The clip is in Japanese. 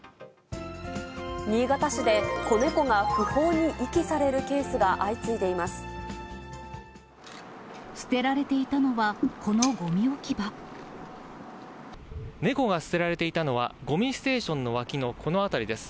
新潟市で子猫が不法に遺棄さ捨てられていたのはこのごみ猫が捨てられていたのは、ごみステーションの脇のこの辺りです。